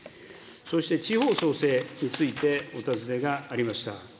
そして、地方創生についてお尋ねがありました。